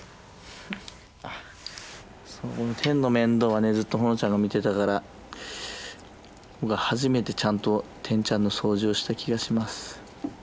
そうテンの面倒はずっとほのちゃんが見てたから僕は初めてちゃんとテンちゃんの掃除をした気がします。